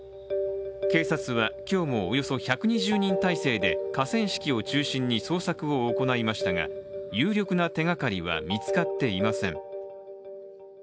警察は今日もおよそ１２０人態勢で河川敷を中心に捜索を行いましたが、有力な手がかりは見つかっていません。